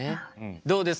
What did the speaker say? どうですか？